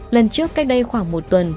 lần trước cách đây khoảng một tuần